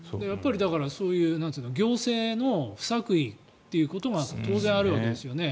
そういう行政の不作為っていうことが当然あるわけですよね。